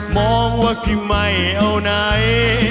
มองว่าที่ไม่เอาไหน